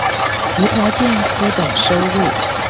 無條件基本收入